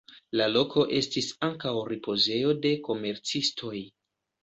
La loko estis ankaŭ ripozejo de komercistoj.